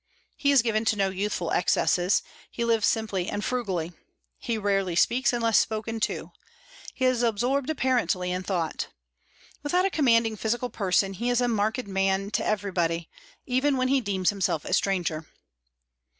He is given to no youthful excesses; he lives simply and frugally. He rarely speaks unless spoken to; he is absorbed apparently in thought. Without a commanding physical person, he is a marked man to everybody, even when he deems himself a stranger.